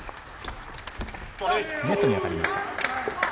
ネットに当たりました。